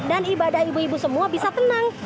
dan ibadah ibu ibu semua bisa tenang